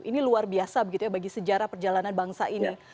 ini luar biasa begitu ya bagi sejarah perjalanan bangsa ini